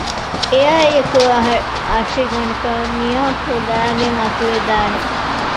އެއާއިއެކު އަށިގަނޑަކަށް މީހަކު ލައިގެން އަތުވެދާނެ